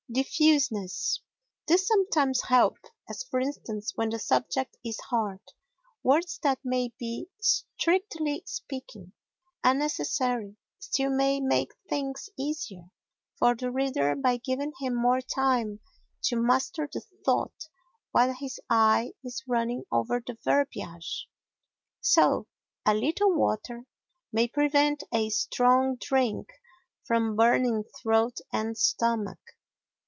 Diffuseness This sometimes helps, as, for instance, when the subject is hard; words that may be, strictly speaking, unnecessary still may make things easier for the reader by giving him more time to master the thought while his eye is running over the verbiage. So, a little water may prevent a strong drink from burning throat and stomach.